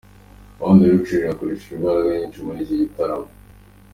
One Direction yakoresheje imbaraga nyinshi muri iki gitaramo.